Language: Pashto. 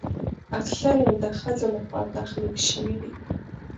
اکثره یې د ښځو لخوا تخلیق شوي دي.